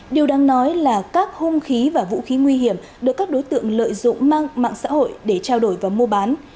điều đáng nói là các hung khí và vũ khí nguy hiểm được các đối tượng lợi dụng mạng xã hội để trao đổi và mua bán